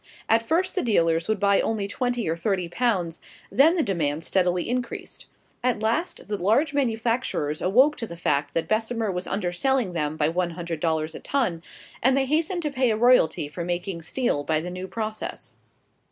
At first the dealers would buy only twenty or thirty pounds; then the demand steadily increased. At last the large manufacturers awoke to the fact that Bessemer was underselling them by one hundred dollars a ton, and they hastened to pay a royalty for making steel by the new process.